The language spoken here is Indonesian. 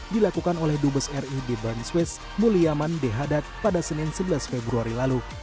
dilakukan oleh dubaes ri di band swiss buliyaman dehadat pada senin sebelas februari lalu